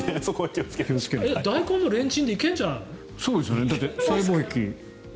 ダイコンもレンチンでいけるんじゃないの？